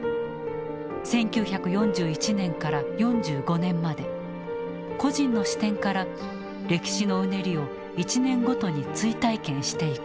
１９４１年から４５年まで個人の視点から歴史のうねりを１年ごとに追体験していく。